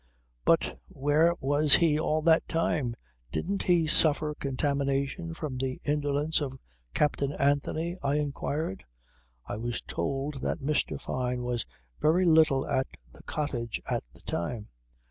But where was he all that time? Didn't he suffer contamination from the indolence of Captain Anthony, I inquired. I was told that Mr. Fyne was very little at the cottage at the time.